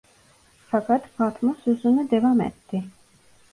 Fakat Fatma sözüne devam etti: